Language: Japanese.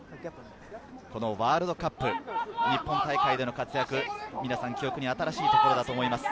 ワールドカップ、日本大会での活躍、皆さん記憶に新しいところだと思います。